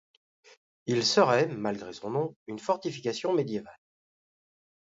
Il serait, malgré son nom, une fortification médiévale.